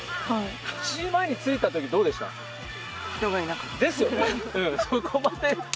７時前に着いたとき、どうでした？ですよね。